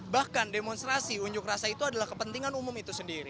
bahkan demonstrasi unjuk rasa itu adalah kepentingan umum itu sendiri